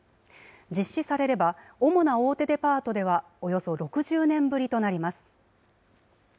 実施されれば、主な大手デパートではおよそ６０年ぶりとなります。